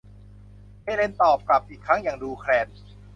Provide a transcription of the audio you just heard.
เฮเลนตอบกลับอีกครั้งอย่างดูแคลน